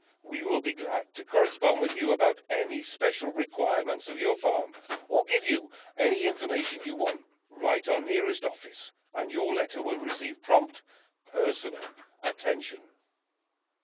We will be glad to correspond with you about any special requirements of your farm, or give you any information you want. Write our nearest office (see last page) and your letter will receive prompt, personal attention.